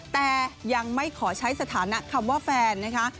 แต่ยังไม่ขอใช้สถานะคำว่าแฟนนะคะ